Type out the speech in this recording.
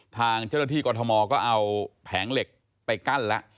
ทางเจ้าหน้าที่กรทมก็เอาแผงเหล็กไปกั้นแล้ว